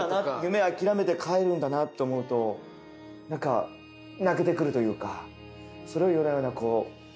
夢諦めて帰るんだなと思うと何か泣けてくるというかそれを夜な夜なこう。